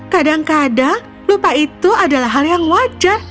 kadang kadang lupa itu adalah hal yang wajar